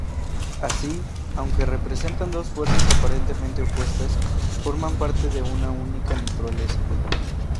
Así, aunque representan dos fuerzas aparentemente opuestas, forman parte de una única naturaleza.